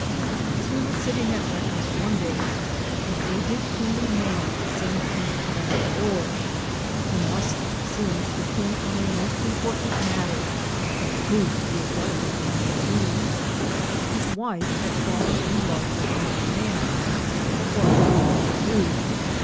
As we were sitting at breakfast one day an aged coolie man was seen hanging around the door. He must see Mr. King on a most important matter, which proved to be a delicate one indeed. His wife had fallen in love with another man and what was he to do?